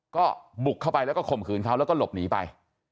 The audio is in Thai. ก็บุกเข้าไปแล้วก็ข่มขืนเขาแล้วก็หลบหนีไป